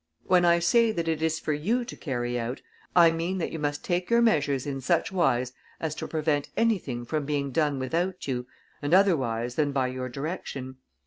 When I say that it is for you to carry it out, I mean that you must take your measures in such wise as to prevent anything from being done without you, and otherwise than by your direction.